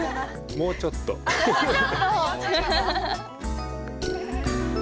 もうちょっとか。